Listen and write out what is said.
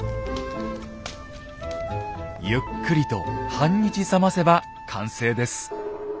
ゆっくりと半日冷ませば完成です。